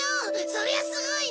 そりゃすごいね。